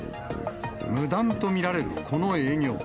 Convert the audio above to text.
無断と見られる、この営業。